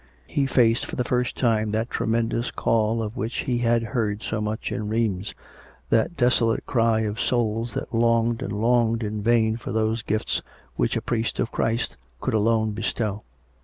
He faced for the first time that tremendous call of which he had heard so much in Rheims — that desolate cry of souls that longed and longed in vain for those gifts which a priest of Christ could alone bestow.